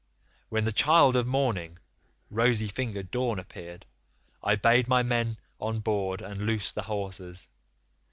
When the child of morning rosy fingered Dawn appeared, I bade my men on board and loose the hawsers.